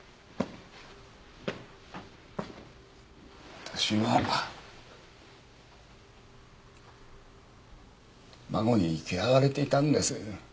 私は孫に嫌われていたんです。